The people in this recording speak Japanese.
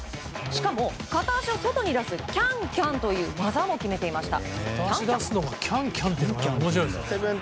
しかも片足を外に出すキャンキャンという技も決めていました。